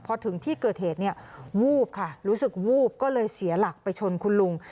พอถึงที่เกิดเหตุเนี่ยวูบค่ะรู้สึกวูบก็เลยเสียหลักไปชนคุณลุง